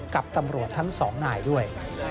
กับตำรวจทั้งสองนายด้วย